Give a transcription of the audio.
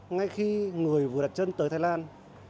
ngay khi người vừa đặt chân tới thái lan